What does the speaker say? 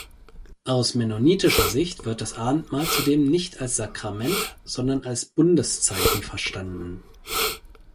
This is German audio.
Aus mennonitischer Sicht wird das Abendmahl zudem nicht als Sakrament, sondern als Bundeszeichen verstanden.